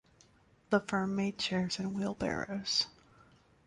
The firm made chairs and wheelbarrows.